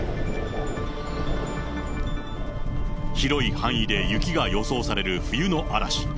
広い範囲で雪が予想される冬の嵐。